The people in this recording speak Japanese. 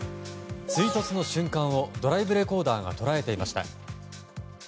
追突の瞬間をドライブレコーダーが捉えていました。